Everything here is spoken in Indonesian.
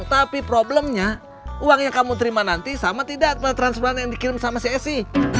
tapi problemnya uang yang kamu terima nanti sama tidak transparan yang dikirim sama csi